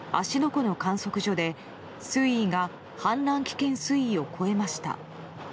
湖の観測所で水位が氾濫危険水位を超えました。